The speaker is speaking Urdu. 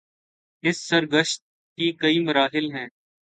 اس سرگزشت کے کئی مراحل ہیں۔